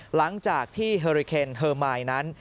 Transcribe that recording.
หลังจากที่เฮอริเคนมายนั้น